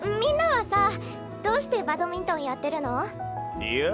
はさどうしてバドミントンやってるの？理由？